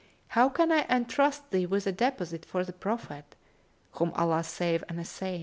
How can I entrust thee with a deposit for the Prophet (whom Allah save and assain!)